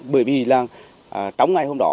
bởi vì là trong ngày hôm đó